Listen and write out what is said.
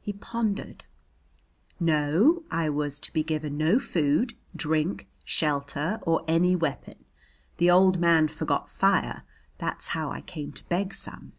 He pondered. "No, I was to be given no food, drink, shelter, or any weapon. The old man forgot fire that's how I came to beg some."